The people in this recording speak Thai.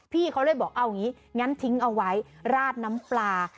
พี่เขาเลยบอกเอาอย่างนี้งั้นทิ้งเอาไว้ราดน้ำปลา